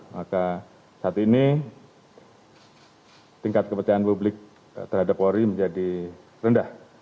maka saat ini tingkat kepercayaan publik terhadap polri menjadi rendah